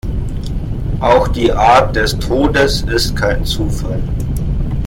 Auch die Art des Todes ist kein Zufall.